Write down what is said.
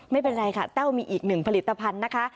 ไม่เป็นไรค่ะแต้วมีอีกหนึ่งผลิตภัณฑ์นะคะ